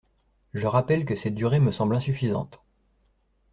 Je rappelle que cette durée me semble insuffisante.